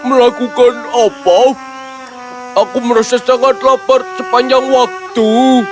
melakukan apa aku merasa sangat lapar sepanjang waktu